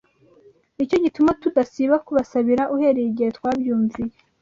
Nicyo gituma tudasiba kubasabira uhereye igihe twabyumviye